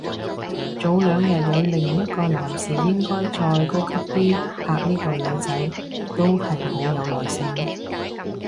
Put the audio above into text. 早兩日有另一個男士應該再高級啲拍呢個女仔，都係好有耐性